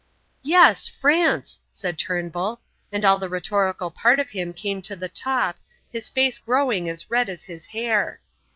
"Yes, France!" said Turnbull, and all the rhetorical part of him came to the top, his face growing as red as his hair.